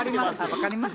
分かります。